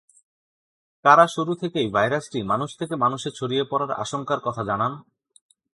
কারা শুরু থেকেই ভাইরাসটি মানুষ থেকে মানুষে ছড়িয়ে পড়ার আশঙ্কার কথা জানান?